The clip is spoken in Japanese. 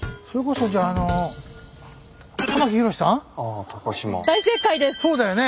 そうだよね。